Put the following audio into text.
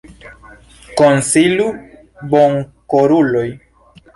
Konsilu, bonkoruloj!